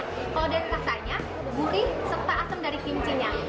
kalau dan rasanya gurih serta asam dari kimcinya